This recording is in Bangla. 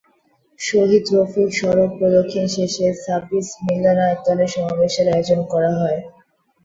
শহীদ রফিক সড়ক প্রদক্ষিণ শেষে সাবিস মিলনায়তনে সমাবেশের আয়োজন করা হয়।